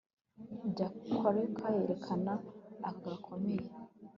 Jaywalker yerekana akaga gakomeye